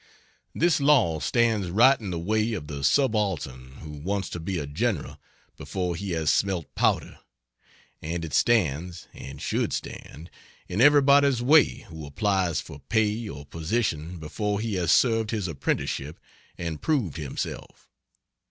This law stands right in the way of the subaltern who wants to be a General before he has smelt powder; and it stands (and should stand) in everybody's way who applies for pay or position before he has served his apprenticeship and proved himself.